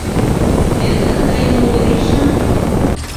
Тендан гае муньырийжым